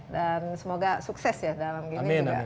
dan semoga sukses ya dalam ini